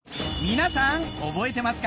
皆さん覚えてますか？